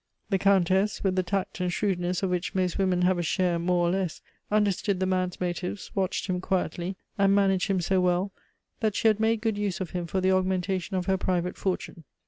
The Countess, with the tact and shrewdness of which most women have a share more or less, understood the man's motives, watched him quietly, and managed him so well, that she had made good use of him for the augmentation of her private fortune.